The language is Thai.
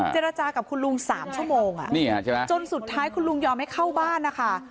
เจรจากับคุณลุง๓ชั่วโมงจนสุดท้ายคุณลุงยอมให้เข้าบ้านนะคะ